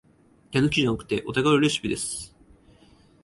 手抜きじゃなくてお手軽レシピです